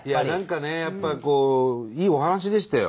やっぱりこういいお話でしたよ